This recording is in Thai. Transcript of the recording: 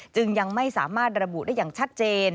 จึงยังไม่สามารถระบุได้อย่างชัดเจน